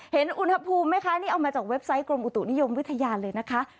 เห็นอุณหภูมิไหมคะนี่เอามาจากเว็บไซต์กรมอุตุนิยมวิทยาเลยนะคะ